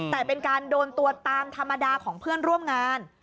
แต่เป็นการโดนตัวตามธรรมดาของเพื่อนร่วมงาน